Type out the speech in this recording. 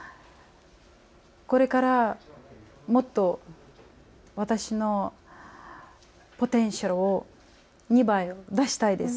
これからもっと私のポテンシャルを２倍出したいです。